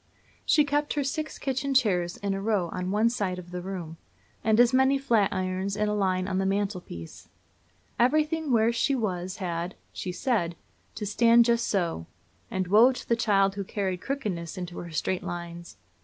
She kept her six kitchen chairs in a row on one side of the room, and as many flatirons in a line on the mantelpiece. Everything where she was had, she said, to "stand just so;" and woe to the child who carried crookedness into her straight lines!